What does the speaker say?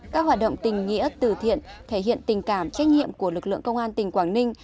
các hoạt động tình nghĩa tử thiện thể hiện tình cảm trách nhiệm của lực lượng công an tỉnh quảng ninh